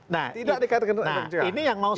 tidak dikaitkan dengan efek jerah